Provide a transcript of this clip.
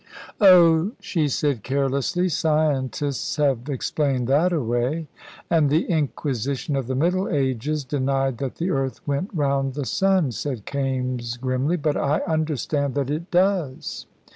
"Oh," she said carelessly, "scientists have explained that away." "And the Inquisition of the middle ages denied that the earth went round the sun," said Kaimes, grimly; "but I understand that it does."